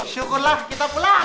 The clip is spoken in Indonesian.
syukurlah kita pulang